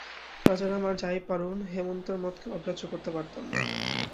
রাজারাম আর যাই পারুন হেমন্তের মতকে অগ্রাহ্য করতে পারতেন না।